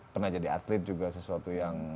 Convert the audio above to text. pernah jadi atlet juga sesuatu yang